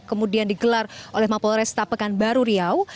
kemudian digelar oleh mapolores tepekanbaru riau